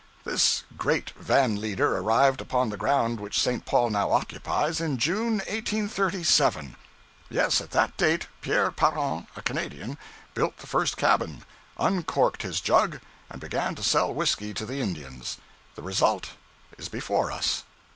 This great van leader arrived upon the ground which St. Paul now occupies, in June 1837. Yes, at that date, Pierre Parrant, a Canadian, built the first cabin, uncorked his jug, and began to sell whiskey to the Indians. The result is before us.